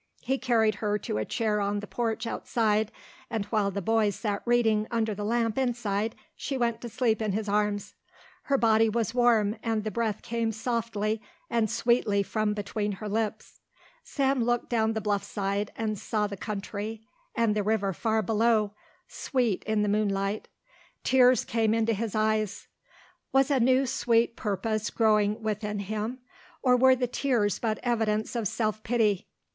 He carried her to a chair on the porch outside and while the boys sat reading under the lamp inside she went to sleep in his arms. Her body was warm and the breath came softly and sweetly from between her lips. Sam looked down the bluffside and saw the country and the river far below, sweet in the moonlight. Tears came into his eyes. Was a new sweet purpose growing within him or were the tears but evidence of self pity?